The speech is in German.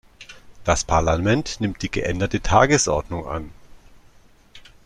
Das Parlament nimmt die geänderte Tagesordnung an.